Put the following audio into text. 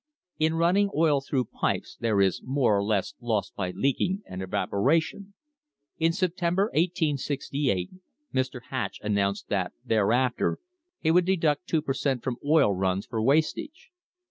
In running oil through pipes there is more or less lost by leaking and , evaporation. In September, 1868, Mr. Hatch announced that | thereafter he would deduct two per cent, from oil runs for |! wastage.